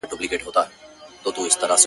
زما دي قسم په ذواجلال وي!.